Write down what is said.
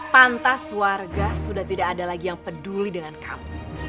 pantas warga sudah tidak ada lagi yang peduli dengan kamu